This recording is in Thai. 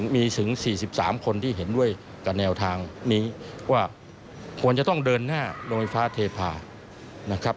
มีถึง๔๓คนที่เห็นด้วยกับแนวทางนี้ว่าควรจะต้องเดินหน้าโรงไฟฟ้าเทพานะครับ